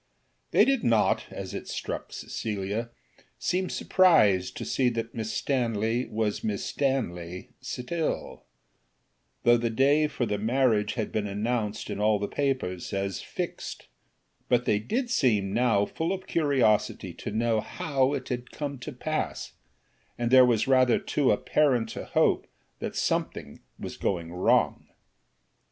They did not, as it struck Cecilia, seem surprised to see that Miss Stanley was Miss Stanley still, though the day for the marriage had been announced in all the papers as fixed; but they did seem now full of curiosity to know how it had come to pass, and there was rather too apparent a hope that something was going wrong.